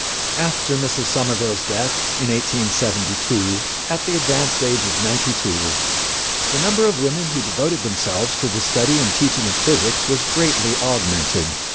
After Mrs. Somerville's death, in 1872, at the advanced age of ninety two, the number of women who devoted themselves to the study and teaching of physics was greatly augmented.